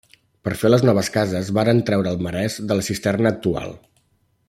Per fer les noves cases varen treure el marès de la cisterna actual.